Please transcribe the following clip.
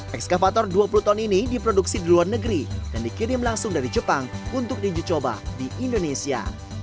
ekskavator dua puluh ton ini diproduksi di luar negeri dan dikirim langsung dari jepang untuk dijucoba di indonesia